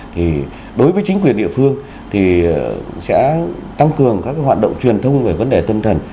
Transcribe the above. thì đối với chính quyền địa phương thì sẽ tăng cường các hoạt động truyền thông về vấn đề tâm thần